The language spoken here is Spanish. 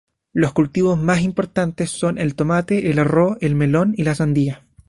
Los cultivos más importantes son el tomate, el arroz, el melón y la sandía.